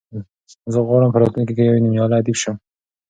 زه غواړم چې په راتلونکي کې یو نومیالی ادیب شم.